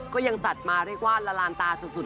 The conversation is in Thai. ก็ยังจัดมาเรียกว่าละลานตาสุด